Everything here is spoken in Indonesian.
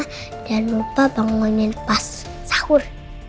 udah lupa bangunin pas sahur